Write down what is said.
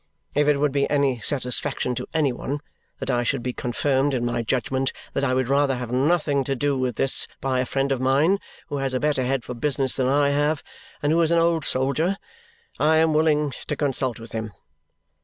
If it would be any satisfaction to any one that I should be confirmed in my judgment that I would rather have nothing to do with this by a friend of mine who has a better head for business than I have, and who is an old soldier, I am willing to consult with him.